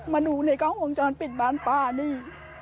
มาดูในกล้องวงจรปิดบ้านป้านี่